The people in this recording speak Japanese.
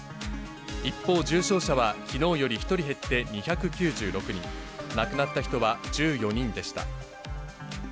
一方、重症者はきのうより１人減って２９６人、亡くなった人は１４人でした。